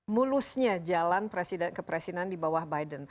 mulusnya jalan presiden kepresidenan di bawah biden